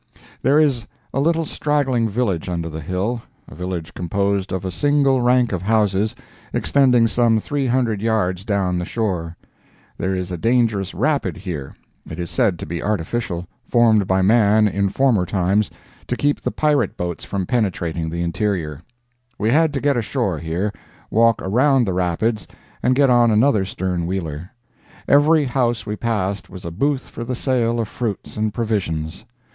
There is a little straggling village under the hill, a village composed of a single rank of houses, extending some three hundred yards down the shore. There is a dangerous rapid here. It is said to be artificial—formed by man in former times to keep the pirate boats from penetrating the interior. We had to get ashore here, walk around the rapids, and get on another stern wheeler. Every house we passed was a booth for the sale of fruits and provisions.